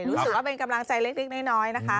รู้สึกว่าเป็นกำลังใจเล็กน้อยนะคะ